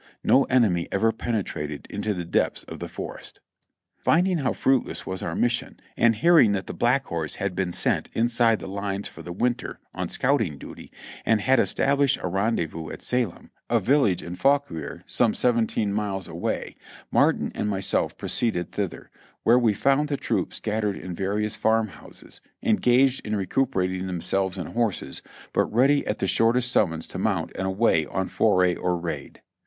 No ene my ever penetrated into the depths of the forest. Finding how fruitless was our mission, and hearing that the Black Horse had been sent inside the lines for the winter, on scouting duty, and had established a rendezvous at Salem, a village in Fauquier, some seventeen miles away, Martin and my self proceeded thither, where we found the troop scattered in vari ous farm houses, engaged in recuperating themselves and horses, but ready at the shortest summons to mount and away on foray or raid.